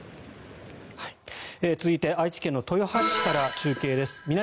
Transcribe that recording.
続いて愛知県の豊橋市から中継です。